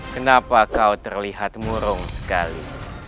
kenapa kau terlihat murung sekali